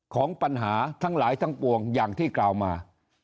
ของปัญหาทั้งหลายทั้งปวงอย่างที่กล่าวมา